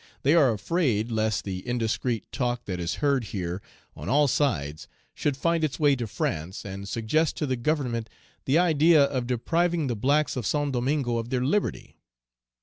They are afraid lest the indiscreet talk that is heard here on all sides should find its way to France, and suggest to the Government the idea of depriving the blacks of Saint Domingo of their liberty.'